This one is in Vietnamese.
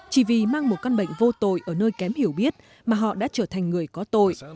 chỉ vì mang một căn bệnh vô tội ở nơi kém hiểu biết mà họ đã trở thành người có tội